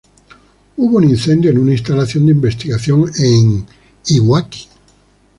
Hubo un incendio en una instalación de investigación en Iwaki.